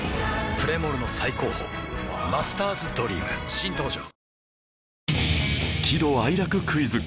プレモルの最高峰「マスターズドリーム」新登場ワオ喜怒哀楽クイズ！